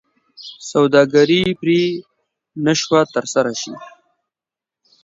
سوداګري پرې نه شوه ترسره شي.